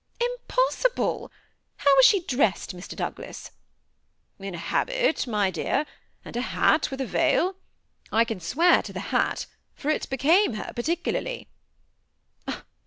^Impossible! How was she dressed, Mi. Doug las?" ^' In a habit, my dear, and hat, with a veil. I can swear to the hat, for it became her particularly."